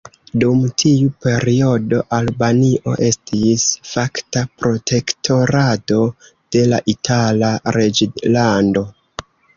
Dum tiu periodo Albanio estis fakta protektorato de la Itala reĝlando.